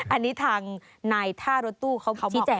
อันนี้ทางนายท่ารถตู้เขาหมอกมา